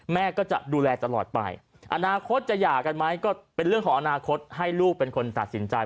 แม่ก็จะดูแลตลอดไปอนาคตจะหย่ากันไหมก็เป็นเรื่องของอนาคตให้ลูกเป็นคนตัดสินใจ